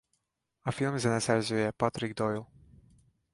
A film zeneszerzője Patrick Doyle.